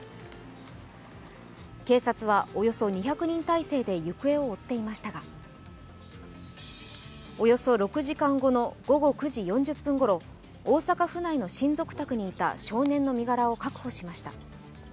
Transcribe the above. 警察はおよそ２００人態勢で行方を追っていましたが、およそ６時間後の午後９時４０分ごろ大阪府内の親族宅にいた少年の身柄を確保しました。